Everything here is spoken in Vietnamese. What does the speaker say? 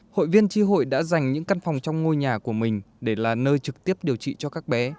hội viên tri hội đã dành những căn phòng trong ngôi nhà của mình để là nơi trực tiếp điều trị cho các bé